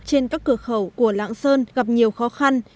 trên các cửa khẩu của lạng sơn gặp nhiều khó khăn